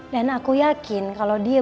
dan aku yakin kalau dia